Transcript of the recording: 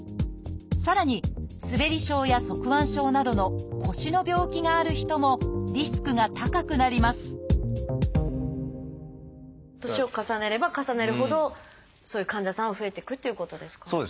さらに「すべり症」や「側弯症」などの腰の病気がある人もリスクが高くなります年を重ねれば重ねるほどそういう患者さんは増えていくっていうことですか？